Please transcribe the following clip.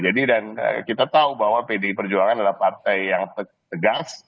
jadi dan kita tahu bahwa pdi perjuangan adalah partai yang tegas